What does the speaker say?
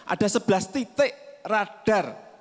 ada sebelas titik radar